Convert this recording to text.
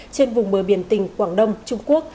trên vùng bờ biển tỉnh quảng đông trung quốc